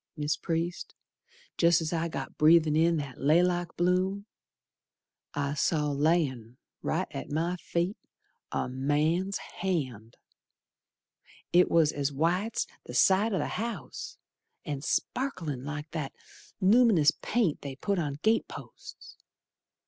Mis' Priest, jest's I got breathin' in that laylock bloom I saw, layin' right at my feet, A man's hand! It was as white's the side o' th' house, And sparklin' like that lum'nous paint they put on gate posts.